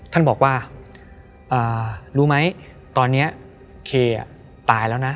ท่านบอกว่ารู้ไหมตอนนี้เคตายแล้วนะ